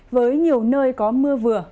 với nhiều nơi có mưa vừa